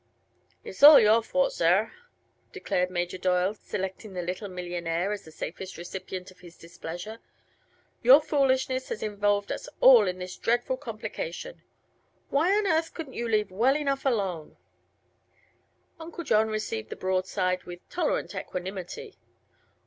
"It's all your fault, sor!" declared Major Doyle, selecting the little millionaire as the safest recipient of his displeasure. "Your foolishness has involved us all in this dreadful complication. Why on earth couldn't you leave well enough alone?" Uncle John received the broadside with tolerant equanimity.